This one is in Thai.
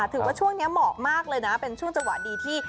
ถือว่าช่วงนี้เหมาะมากเลยนะเป็นช่วงจังหวะดีที่